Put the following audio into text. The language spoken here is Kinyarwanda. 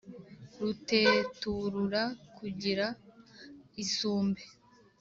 ruteturura kugira isumbe,